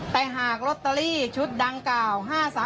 แต่หากลอตเตอรี่ชุดดังกล่าว๕๓